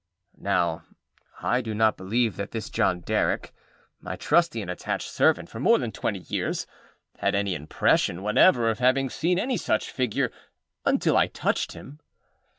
â Now I do not believe that this John Derrick, my trusty and attached servant for more than twenty years, had any impression whatever of having seen any such figure, until I touched him.